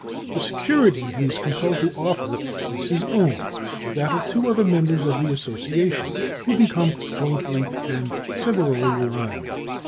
The security he is compelled to offer is his own and that of two other members of the association, who become jointly and severally liable.